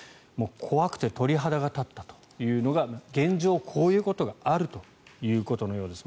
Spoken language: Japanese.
怖くて鳥肌が立ったというのが現状、こういうことがあるということのようです。